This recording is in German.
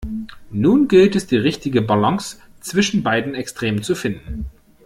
Nun gilt es, die richtige Balance zwischen beiden Extremen zu finden.